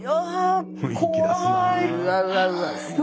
雰囲気出すな。